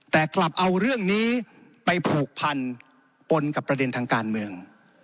แต่กลับเอาเรื่องนี้ไปผูกพันปนกับประเด็นทางการเมือง